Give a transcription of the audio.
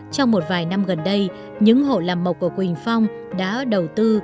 trong một vài năm gần đây những hộ làm mộc của quỳnh phong đã đầu tư